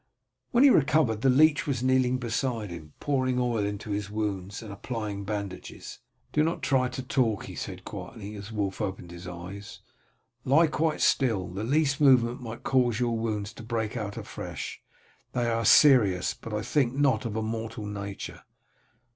When he recovered the leech was kneeling beside him, pouring oil into his wounds and applying bandages. "Do not try to talk," he said quietly, as Wulf opened his eyes. "Lie quite still, the least movement might cause your wounds to break out afresh. They are serious, but I think not of a mortal nature."